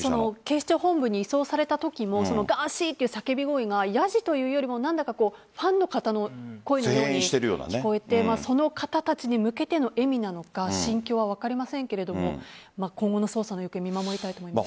警視庁本部に移送されたときもガーシーという叫び声がヤジというよりもファンの方の声のように聞こえてその方たちに向けての笑なのか心境は分かりませんが今後の捜査の行方を見守りたいです。